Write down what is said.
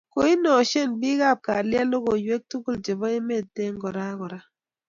kiinoishein ripik ab kalyet lokoywek tugul chebo emet eng kora kora